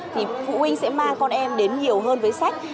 thì phụ huynh sẽ mang con em đến nhiều hơn với sách